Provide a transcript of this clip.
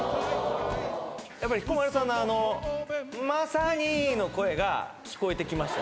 やっぱり彦摩呂さんのあの「まさに」の声が聞こえてきました